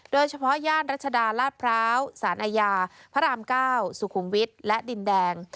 โดยเฉพาะย่านรัชดาลาดพร้าวสานอาญาพระอามเก้าสุขุมวิทและดินแดง